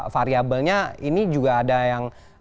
variabelnya ini juga ada yang